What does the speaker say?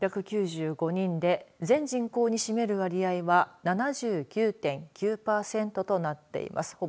人で全人口に占める割合は７９．９パーセントとなっています。